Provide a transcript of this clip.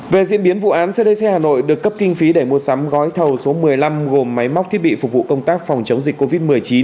về diễn biến vụ án cdc hà nội được cấp kinh phí để mua sắm gói thầu số một mươi năm gồm máy móc thiết bị phục vụ công tác phòng chống dịch covid một mươi chín